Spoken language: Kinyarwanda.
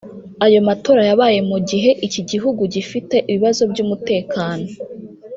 Ayo matora yabaye mu gihe iki gihugu gifite ibibazo by’umutekano